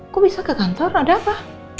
kok bisa ke kantor ada apa